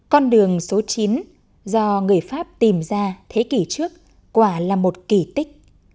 con đường số chín do người pháp tìm ra thế kỷ trước quả là một kỳ tích